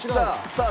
さあ！